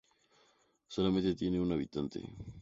Solamente tiene un habitante.